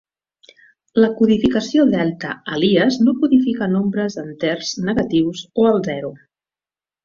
La codificació delta Elias no codifica nombres enters negatius o el zero.